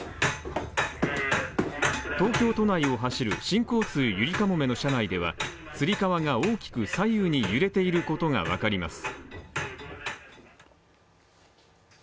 東京都内を走る新交通ゆりかもめの車内ではつり革が大きく左右に揺れていることが分かります。